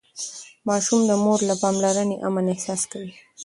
ماشوم د مور له پاملرنې امن احساس کوي.